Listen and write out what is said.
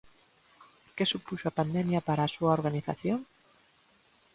Que supuxo a pandemia para a súa organización?